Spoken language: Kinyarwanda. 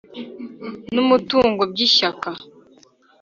n umutungo by Ishyaka